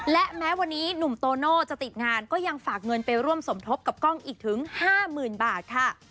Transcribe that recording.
และแม้วันนี้หนุ่มโตโน่จะติดงานก็ยังฝากเงินไปร่วมสมทบกับกล้องอีกถึง๕๐๐๐บาทค่ะ